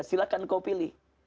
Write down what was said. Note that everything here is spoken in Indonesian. silahkan engkau pilih